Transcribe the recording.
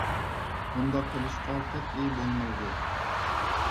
ئۇنداق قىلىشقا قەتئىي بولمايدۇ.